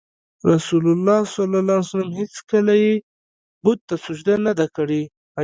رسول الله ﷺ هېڅکله یې بت ته سجده نه ده کړې.